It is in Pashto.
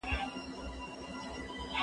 ټولنه به د پرمختګ لوړو پوړیو ته ورسيږي.